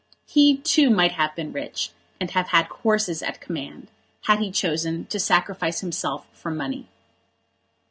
He, too, might have been rich, and have had horses at command, had he chosen to sacrifice himself for money.